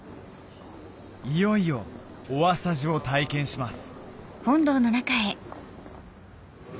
いよいよお朝事を体験します